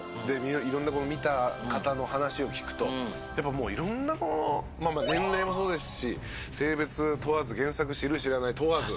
色んな見た方の話を聞くとやっぱもう色んな年齢もそうですし性別問わず原作知る知らない問わず。